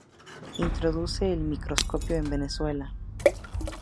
Introduce el microscopio en Venezuela.